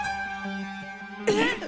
えっ！